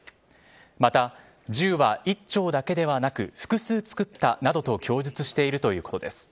また、銃は一丁だけではなく複数作ったなどと供述しているということです。